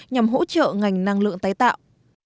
nhằm hỗ trợ ngành năng lượng tái tạo